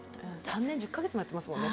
３年１０カ月もやってますもんね。